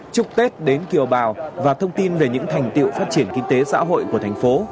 chúc tết đến kiều bào và thông tin về những thành tiệu phát triển kinh tế xã hội của thành phố